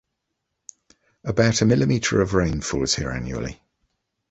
About mm of rain falls here annually.